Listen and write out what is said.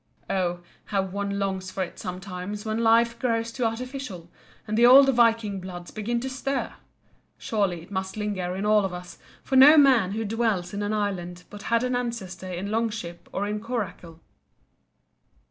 Oh, how one longs for it sometimes when life grows too artificial, and the old Viking blood begins to stir! Surely it must linger in all of us, for no man who dwells in an island but had an ancestor in longship or in coracle.